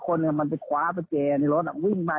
ก็มันยังคว้าประเจจในรถหลักวิ่งมา